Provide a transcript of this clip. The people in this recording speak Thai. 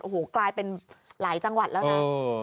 โอ้โหกลายเป็นหลายจังหวัดแล้วนะ